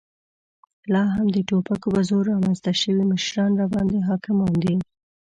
لا هم د توپک په زور رامنځته شوي مشران راباندې حاکمان دي.